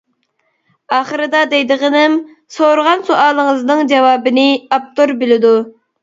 ئاخىرىدا دەيدىغىنىم: سورىغان سوئالىڭىزنىڭ جاۋابىنى ئاپتور بىلىدۇ.